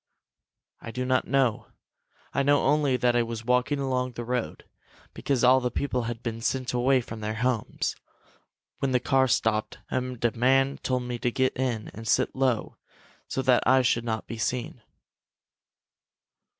"I do not know. I know only that I was walking along the road, because all the people had been sent away from their homes, when the car stopped, and a man told me to get in and sit low, so that I should not be seen.